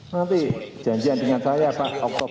nanti janjian dengan saya pak